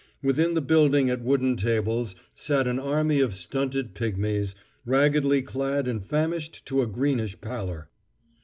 Within the building at wooden tables sat an army of stunted pigmies, raggedly clad and famished to a greenish pallor.